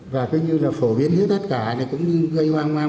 và cứ như là phổ biến như tất cả này cũng như gây hoang hoang